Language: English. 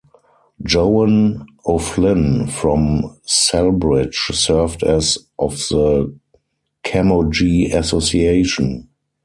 Joan O'Flynn from Celbridge served as of the Camogie Association.